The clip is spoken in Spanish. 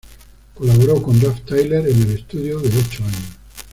Colaboró con Ralph Tyler en el Estudio de Ocho Años.